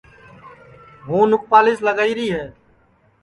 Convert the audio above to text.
ہوں نُپالیس لگائیری ہے